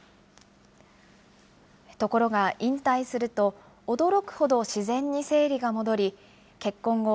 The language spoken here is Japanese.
ところが、引退すると驚くほど自然に生理が戻り結婚後